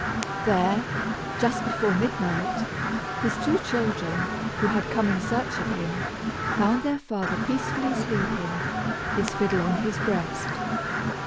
There, just before midnight, his two children, who had come in search of him, found their father peacefully sleeping, his fiddle on his breast.